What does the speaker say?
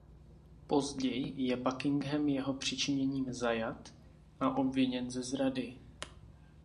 Později je Buckingham jeho přičiněním zajat a obviněn ze zrady.